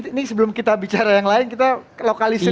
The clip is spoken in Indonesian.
ini sebelum kita bicara yang lain kita lokalisir